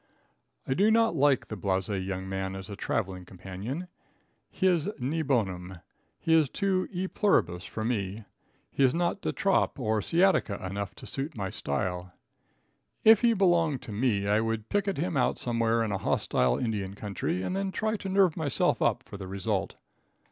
I do not like the blase young man as a traveling companion. He is nix bonum. He is too E pluribus for me. He is not de trop or sciatica enough to suit my style. If he belonged to me I would picket him out somewhere in a hostile Indian country, and then try to nerve myself up for the result.